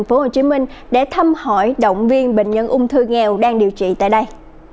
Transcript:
tp hcm để thăm hỏi động viên bệnh nhân ung thư nghèo đang điều trị tại đây